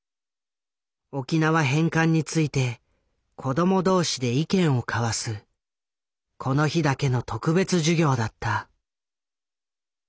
沖縄返還について子ども同士で意見を交わすこの日だけの特別授業だった。